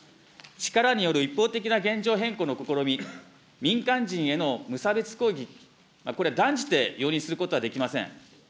力による一方的な現状変更の試み、民間人への無差別攻撃、これ、断じて容認することはできません。